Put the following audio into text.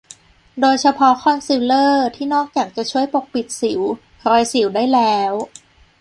โดยเฉพาะคอนซีลเลอร์ ที่นอกจากจะช่วยปกปิดสิว รอยสิวได้แล้ว